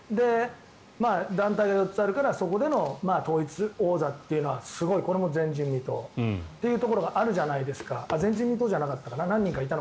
団体が４つあるからそこでの統一王座というのはすごい、これも前人未到というところがあるじゃないですか。